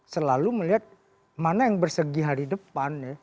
selalu melihat mana yang bersegi hari depan